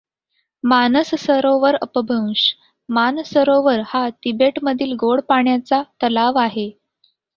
मानस सरोवर अपभ्रंश मान सरोवर हा तिबेट मधील गोड्या पाण्याचा तलाव आहे.